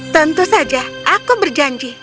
tentu saja aku berjanji